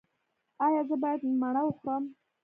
ایا زه باید مڼه وخورم؟